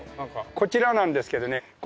こちらなんですけどね